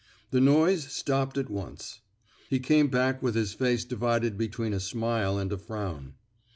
The noise stopped at once. He came back with his face divided be tween a smile and a frown.